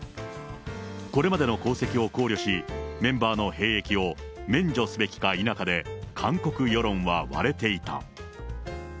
これまでの功績を考慮し、メンバーの兵役を免除すべきか否かで、韓国世論は割れていた。